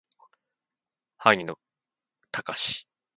荻野貴司